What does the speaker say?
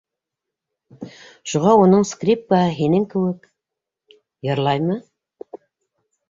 Шуға уның скрипкаһы һинең кеүек... йырлаймы?